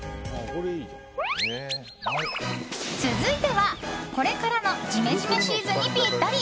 続いては、これからのジメジメシーズンにぴったり！